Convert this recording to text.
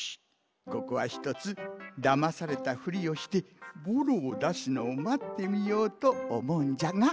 ここはひとつだまされたふりをしてボロをだすのをまってみようとおもうんじゃが。